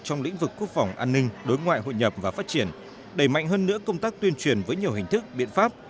trong lĩnh vực quốc phòng an ninh đối ngoại hội nhập và phát triển đẩy mạnh hơn nữa công tác tuyên truyền với nhiều hình thức biện pháp